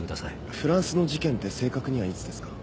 フランスの事件って正確にはいつですか？